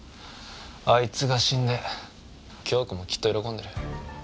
あいつが死んで京子もきっと喜んでる。